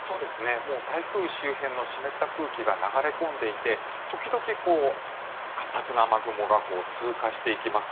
台風周辺の湿った空気が流れ込んでいて時々、活発な雨雲が通過していきます。